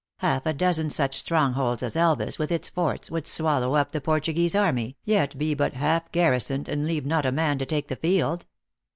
Half a dozen such strongholds as Elvas, with its forts, would swallow up the Portuguese army, yet be but half garrisoned, and leave not a man to take the field.